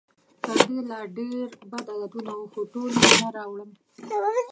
تر دې لا ډېر بد عادتونه وو، خو ټول یې نه راوړم.